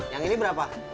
yang ini berapa